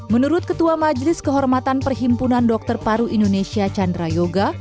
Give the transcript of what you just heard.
menurut ketua majelis kehormatan perhimpunan dokter paru indonesia chandra yoga